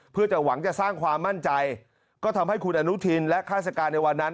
เพื่อจะหวังจะสร้างความมั่นใจก็ทำให้คุณอนุทินและข้าราชการในวันนั้น